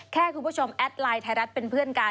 แค่คุณผู้ชมแอดไลน์ไทยรัฐเป็นเพื่อนกัน